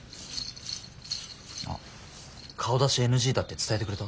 あっ顔出しＮＧだって伝えてくれた？